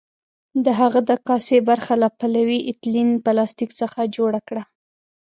د هغه د کاسې برخه له پولي ایتلین پلاستیک څخه جوړه کړه.